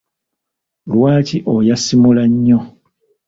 Lwaki oyasimula nnyo?